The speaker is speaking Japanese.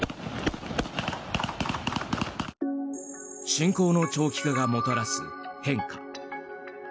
侵攻の長期化がもたらす変化。